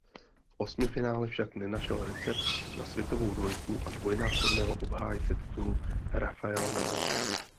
V osmifinále však nenašel recept na světovou dvojku a dvojnásobného obhájce titulu Rafaela Nadala.